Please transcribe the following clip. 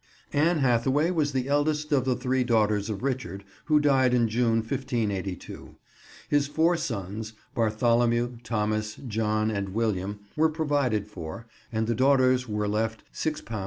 Anne Hathaway was the eldest of the three daughters of Richard, who died in June 1582. His four sons, Bartholomew, Thomas, John, and William, were provided for, and the daughters were left £6 13_s.